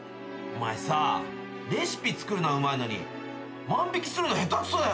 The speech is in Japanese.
お前さレシピ作るのはうまいのに万引するの下手くそだよな。